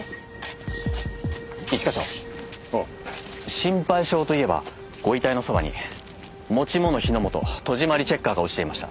心配性といえばご遺体のそばに「持ち物火の元戸締りチェッカー」が落ちていました。